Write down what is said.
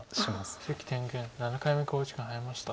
関天元７回目の考慮時間に入りました。